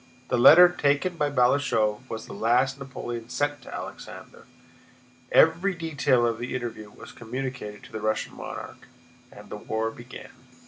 The letter taken by Balashëv was the last Napoleon sent to Alexander. Every detail of the interview was communicated to the Russian monarch, and the war began....